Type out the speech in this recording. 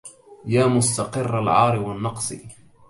يا مستقر العار والنقص